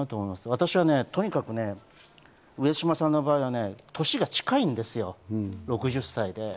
私はとにかく、上島さんの場合は年が近いんですよ、６０歳で。